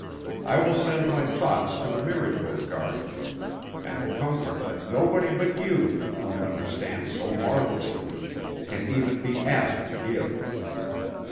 I will send my thoughts to the Mirador garden, and the comfort that nobody but you who understand so marvelously can even be asked to give.